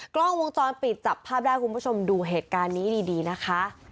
กล้องวงจรปิดจับภาพได้คุณผู้ชมดูเหตุการณ์นี้ดีนะคะ